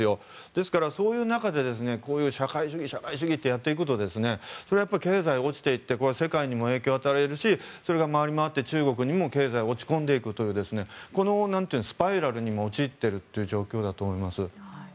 ですから、そういう中で社会主義、社会主義とやっていくとそれは経済が落ちていって世界にも影響を与えるしそれが回りまわって中国の経済も落ち込んでいくというこのスパイラルに陥っているという状況だと思います。